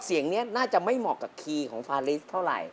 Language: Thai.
เสียงนี้น่าจะไม่เหมาะกับคีย์ของฟาลิสเท่าไหร่